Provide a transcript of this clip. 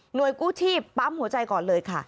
โดยกู้ชีพปั๊มหัวใจก่อนเลยค่ะ